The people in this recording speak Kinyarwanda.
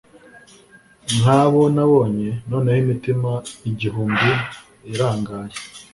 nkabo nabonye noneho imitima igihumbi irangaye